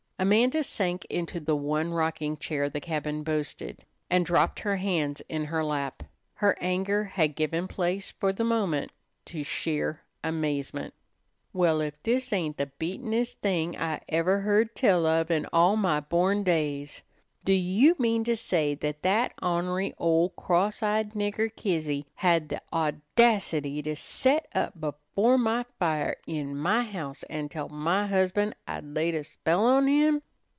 Amanda sank into the one rocking chair the cabin boasted, and dropped her hands in her lap. Her anger had given place for the moment to sheer amazement. "Well, if this ain't the beatenest thing I ever heard tell of in all my born days! Do you mean to say that that honery old cross eyed nigger Kizzy had the audacity to set up before my fire, in my house, an' tell my husband I'd laid a spell on him?"